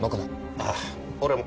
ああ俺も。